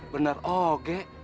benar oh ya